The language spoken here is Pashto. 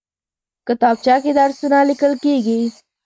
کتابچه کې درسونه لیکل کېږي